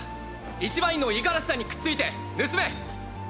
一番員の五十嵐さんにくっついて盗め！